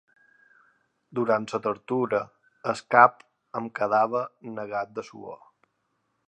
Durant la tortura el cap em quedava negat de suor.